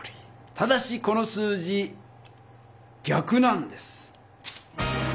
ただしこの数字ぎゃくなんです。